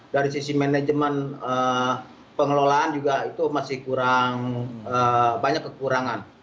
dari sisi manajemen pengelolaan juga itu masih kurang banyak kekurangan